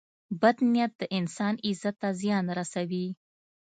• بد نیت د انسان عزت ته زیان رسوي.